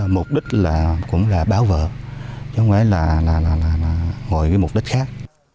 mục đích là cũng là báo vợ chứ không phải là ngồi với mục đích khác